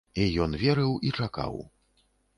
І ён верыў і чакаў.